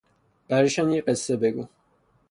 برایشان یک قصه بگو.